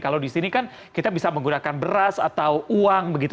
kalau di sini kan kita bisa menggunakan beras atau uang begitu